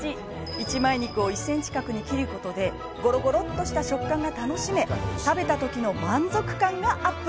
一枚肉を１ｃｍ角に切ることでゴロゴロっとした食感が楽しめ食べた時の満足感がアップ。